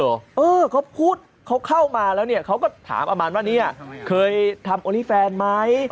เออเขาพูดเขาเข้ามาแล้วเนี่ยเขาก็ถามประมาณว่าเนี่ยเคยทำโอลี่แฟนไหม